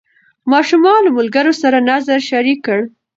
ماشوم له ملګرو سره نظر شریک کړ